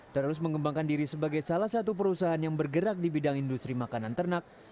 terus mengembangkan diri sebagai salah satu perusahaan yang bergerak di bidang industri makanan ternak